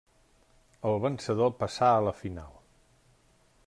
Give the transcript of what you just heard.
El vencedor passà a la final.